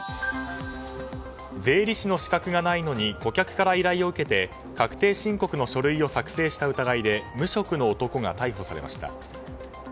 税理士の資格がないのに顧客から依頼を受けて確定申告の書類を作成した疑いで無職の男が逮捕されました。